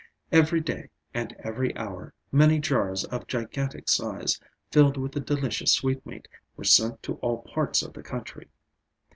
Every day, and every hour, many jars of gigantic size, filled with the delicious sweetmeat, were sent to all parts of the country.